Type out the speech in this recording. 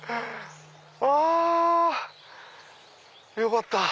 あよかった！